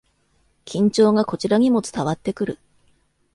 緊張がこちらにも伝わってくる